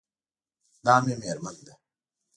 دا مې میرمن ده